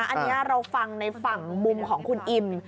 อันนี้เราฟังในฝั่งมุมของคุณอิม